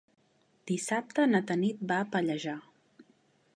Dissabte na Tanit va a Pallejà.